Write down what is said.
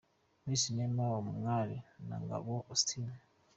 Miss Neema Umwali na Ngabo Augustin.